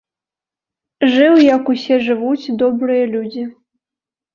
Жыў, як усе жывуць добрыя людзі.